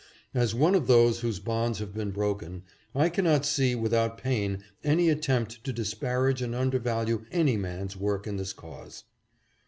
As one of those whose bonds have been broken, I cannot see without pain any at tempt to disparage and undervalue any man's work in this cause.